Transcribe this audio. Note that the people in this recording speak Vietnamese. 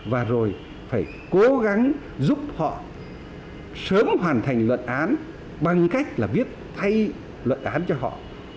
và rồi phải cố gắng giúp họ sớm hoàn thành luận án bằng cách là biết thay luận án cho họ